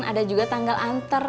ada juga tanggal anter